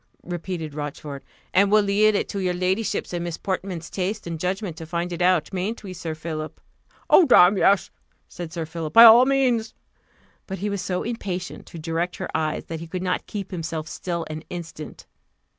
repeated Rochfort; "and we'll leave it to your ladyship's and Miss Portman's taste and judgment to find it out, mayn't we, Sir Philip?" "Oh, damme! yes," said Sir Philip, "by all means." But he was so impatient to direct her eyes, that he could not keep himself still an instant.